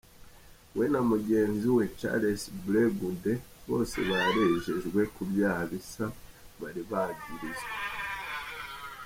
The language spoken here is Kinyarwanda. We na mugenzi we Charles Blé Goudé, bose barejejwe kuvyaha bisa bari barigizwa.